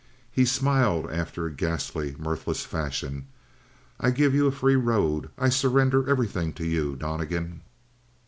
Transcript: He smiled after a ghastly, mirthless fashion. "I give you a free road. I surrender everything to you, Donnegan.